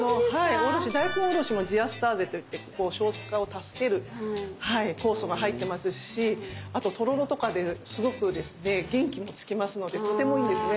大根おろしもジアスターゼといって消化を助ける酵素が入ってますしあととろろとかですごく元気もつきますのでとてもいいんですね。